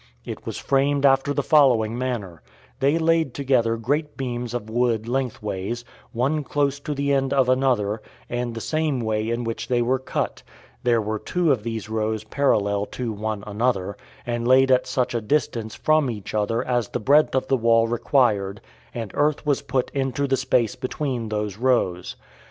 It was framed after the following manner: They laid together great beams of wood lengthways, one close to the end of another, and the same way in which they were cut: there were two of these rows parallel to one another, and laid at such a distance from each other as the breadth of the wall required, and earth was put into the space between those rows.